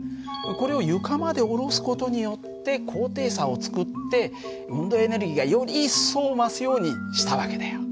これを床まで下ろす事によって高低差を作って運動がより一層増すようにした訳だよ。